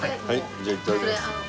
じゃあいただきます。